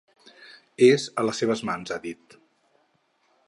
És a les seves mans, ha dit.